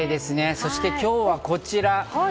そして今日はこちら。